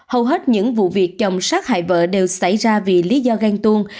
hầu hết những vụ việc chồng sát hại vợ đều xảy ra vì lý do ghen tuông